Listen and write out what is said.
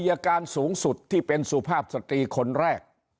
อาการสูงสุดที่เป็นสุภาพสตรีคนแรก